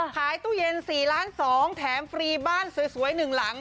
ขายตู้เย็น๔๒ล้านแถมฟรีบ้านสวยหนึ่งหลัง